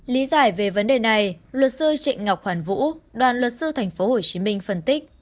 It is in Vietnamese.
lý giải về vấn đề này luật sư trịnh ngọc hoàn vũ đoàn luật sư tp hcm phân tích